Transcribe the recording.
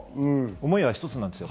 思いは一つなんですよ。